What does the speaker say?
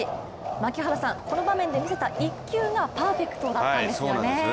槙原さん、この場面で見せた一球がパーフェクトだったんですよね？